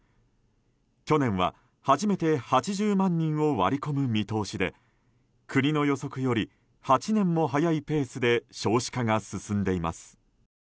去年は、初めて８０万人を割り込む見通しで国の予測より８年も早いペースで少子化が進んでいます。